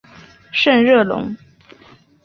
圣热龙。